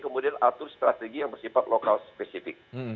kemudian atur strategi yang bersifat lokal spesifik